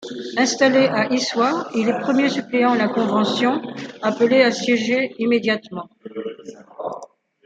Installé à Issoire, il est premier suppléant à la Convention, appelé à siéger immédiatement.